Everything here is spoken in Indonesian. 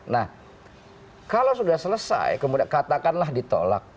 nah kalau sudah selesai kemudian katakanlah ditolak